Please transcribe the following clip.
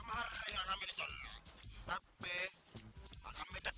kan cantik cantik pak